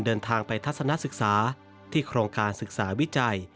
เดินทางไปทัศนศึกษาที่โครงการศึกษาวิจัย